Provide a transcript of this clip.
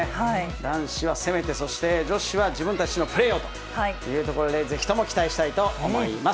男子は攻めて、そして女子は自分たちのプレーをというところで、ぜひとも期待したいと思います。